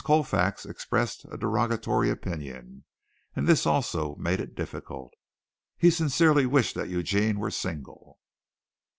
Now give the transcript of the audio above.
Colfax expressed a derogatory opinion, and this also made it difficult. He sincerely wished that Eugene were single.